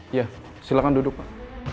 iya silakan duduk pak